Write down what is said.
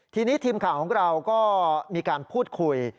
ทีนี้ทีมข่าวของเราก็มีการพูดคุย